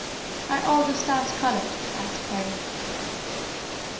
"Are all the stars colored?" asked Harry.